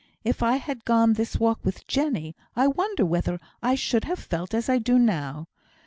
If I had gone this walk with Jenny, I wonder whether I should have felt as I do now.